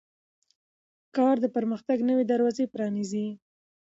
کار د پرمختګ نوې دروازې پرانیزي